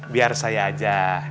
biar saya aja